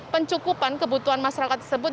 pencukupan kebutuhan masyarakat tersebut